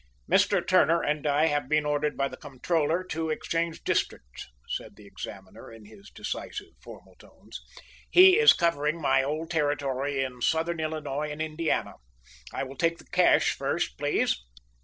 "Mr. Turner and I have been ordered by the Comptroller to exchange districts," said the examiner, in his decisive, formal tones. "He is covering my old territory in Southern Illinois and Indiana. I will take the cash first, please."